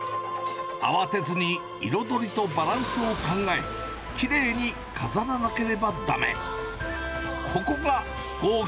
慌てずに彩りとバランスを考え、きれいに飾らなければだめ。